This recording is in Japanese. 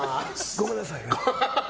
ごめんなさいね。